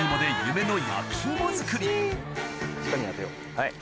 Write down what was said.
はい。